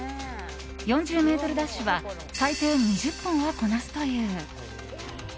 ４０ｍダッシュは最低２０本はこなすという。